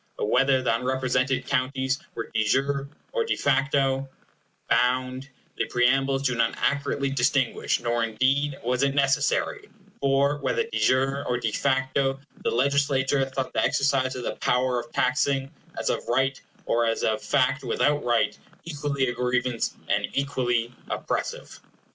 But whether the unrepresented counties were de jure or de facto bound, the preambles do not accurately distinguish, nor indeed was it necessary; for, whether de jure or de facto, the Legislature thought the exercise of the power of taxing as of right, or as of fact without right, equally a grievance, and equally oppressive.